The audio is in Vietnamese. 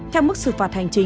theo mức sự phạt hành vi